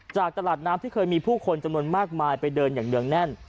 จากตลาดน้ำที่เคยมีผู้คนจำนวนมากมายไปเดินอย่างเนื่องแน่น